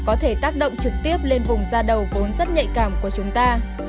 có thể tác động trực tiếp lên vùng ra đầu vốn rất nhạy cảm của chúng ta